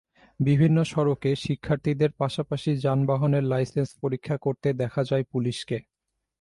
বিভিন্ন সড়কে শিক্ষার্থীদের পাশাপাশি যানবাহনের লাইসেন্স পরীক্ষা করতে দেখা যায় পুলিশকে।